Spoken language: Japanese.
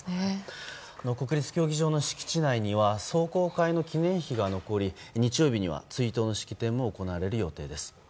国立競技場の敷地内には壮行会の記念碑が残り日曜日には追悼の式典も行われる予定です。